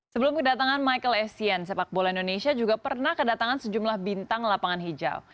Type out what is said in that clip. sebelum kedatangan michael essien sepak bola indonesia juga pernah kedatangan sejumlah bintang lapangan hijau